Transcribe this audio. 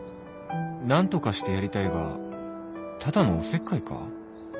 何とかしてやりたいがただのおせっかいか？